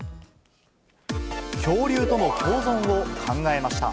恐竜との共存を考えました。